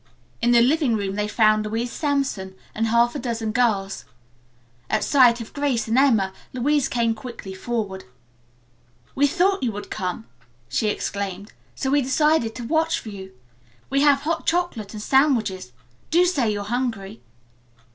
In the living room they found Louise Sampson and half a dozen girls. At sight of Grace and Emma, Louise came quickly forward. "We thought you would come!" she exclaimed, "so we decided to watch for you. We have hot chocolate and sandwiches. Do say you're hungry."